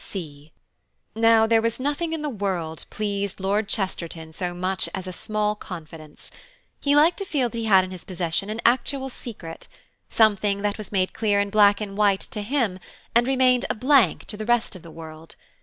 "B. C." Now there was nothing in the world pleased Lord Chesterton so much as a small confidence. He liked to feel that he had in his possession an actual secret: something that was made clear in black and white to him, and remained a blank to the rest of the world.